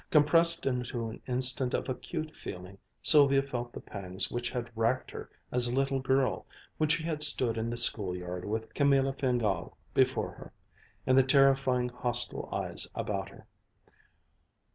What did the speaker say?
Compressed into an instant of acute feeling Sylvia felt the pangs which had racked her as a little girl when she had stood in the schoolyard with Camilla Fingál before her, and the terrifying hostile eyes about her.